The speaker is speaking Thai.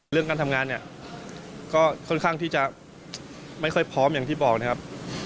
เรื่องการทำงานเนี่ยก็ค่อนข้างที่จะไม่ค่อยพร้อมอย่างที่บอกนะครับ